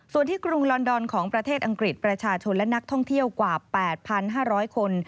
ส่วนที่กรุงลอนดอนของประเทศอังกฤษประชาชนและนักท่องเที่ยวกว่า๘๕๐๐คน